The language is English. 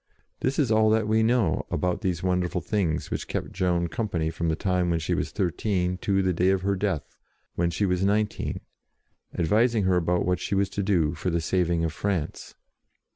This is all that we know about these wonderful things which kept Joan company from the time when she was thirteen to the day of her death, when she 14 JOAN OF ARC was nineteen, advising her about what she was to do for the saving of France.